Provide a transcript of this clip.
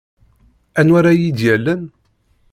Anwa ara yi-d-yallen?